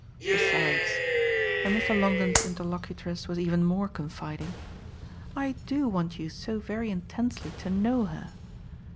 Besides" and Mr. Longdon's interlocutress was even more confiding "I do want you so very intensely to know her.